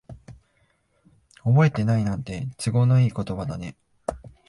覚えてないなんて、都合のいい言葉だね。